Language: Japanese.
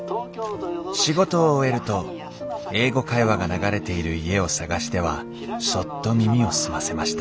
仕事を終えると「英語会話」が流れている家を探してはそっと耳を澄ませました